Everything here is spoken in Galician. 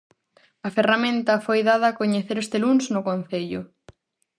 A ferramenta foi dada a coñecer este luns no Concello.